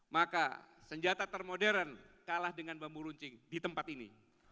maka senjata termodern kalah dengan bambu runcing di tempat ini